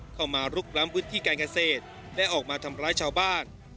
ลุกล้ำพื้นที่การเกษตรและออกมาทำร้ายชาวบ้าน